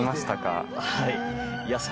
はい。